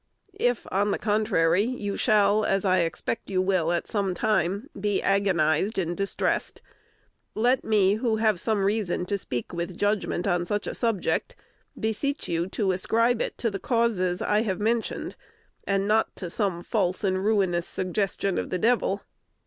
If, on the contrary, you shall, as I expect you will at some time, be agonized and distressed, let me, who have some reason to speak with judgment on such a subject, beseech you to ascribe it to the causes I have mentioned, and not to some false and ruinous suggestion of the Devil.